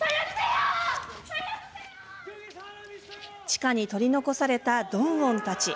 地下に取り残されたドンウォンたち。